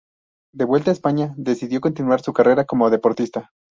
De vuelta a España decidió continuar su carrera como deportista.